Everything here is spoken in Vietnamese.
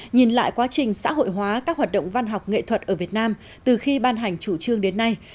nhìn lại quá trình xã hội hóa các hoạt động văn học nghệ thuật ở việt nam từ khi ban hành chủ trương đến nay